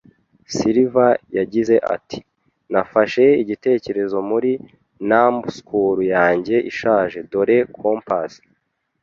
Silver yagize ati: "Nafashe igitekerezo muri numbskull yanjye ishaje." “Dore kompas;